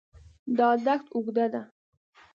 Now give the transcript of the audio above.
دا دښت اوږده ده.